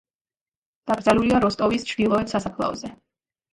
დაკრძალულია როსტოვის ჩრდილოეთ სასაფლაოზე.